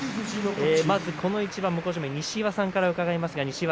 この一番向正面西岩さんから伺います。